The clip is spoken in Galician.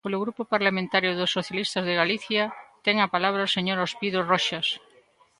Polo Grupo Parlamentario dos Socialistas de Galicia, ten a palabra o señor Ospido Roxas.